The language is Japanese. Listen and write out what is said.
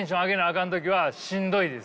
かん時はしんどいです。